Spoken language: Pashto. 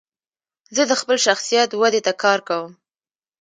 زه د خپل شخصیت ودي ته کار کوم.